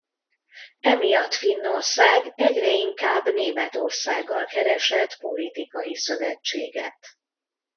Emiatt Finnország egyre inkább Németországgal keresett politikai szövetséget.